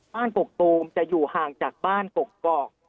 กกตูมจะอยู่ห่างจากบ้านกกอก